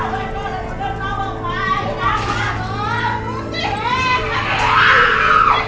ลบช่วยกันพวกมันช่วยกัน